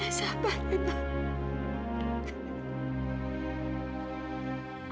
ya sabarnya nek